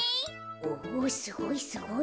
おすごいすごい。